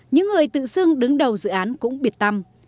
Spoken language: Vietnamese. những người tự xưng đứng đầu dự án cũng biệt tâm